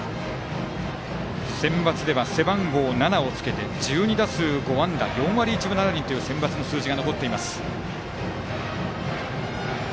センバツでは背番号７をつけて１２打数５安打４割１分７厘というセンバツの数字が残っています。